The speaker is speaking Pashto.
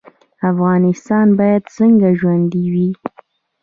افغانستان باید څنګه ژوندی وي؟